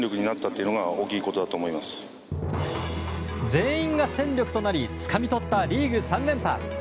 全員が戦力となりつかみ取ったリーグ３連覇。